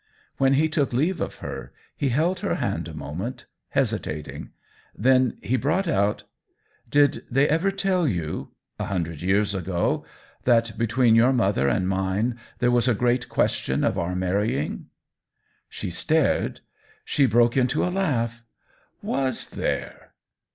When he took leave of her he held her hand a moment, hesitating; then he brought out :" Did they ever tell you — a hundred years ago— that between your mother and mine there was a great question of our marry ing ?" She stared — she broke into a laugh. " IVas there